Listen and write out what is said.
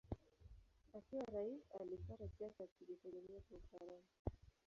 Akiwa rais alifuata siasa ya kujitegemea kwa Ufaransa.